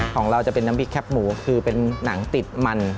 ของเราจะเป็นน้ำพริกแคบหมูคือเป็นหนังติดมัน